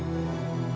papa di rumah